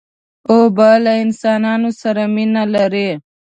اوبه له انسان سره مینه لري.